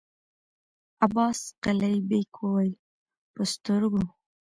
عباس قلي بېګ وويل: په سترګو!